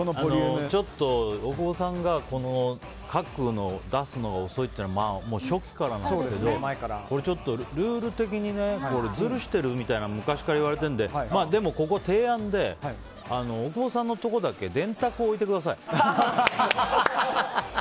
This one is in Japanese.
ちょっと大久保さんが書くの出すのが遅いっていうの初期からなんですけどルール的にずるしてるみたいに昔から言われてるのでここ、提案で大久保さんのところだけ電卓を置いてください。